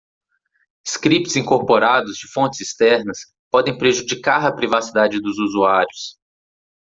Scripts incorporados de fontes externas podem prejudicar a privacidade dos usuários.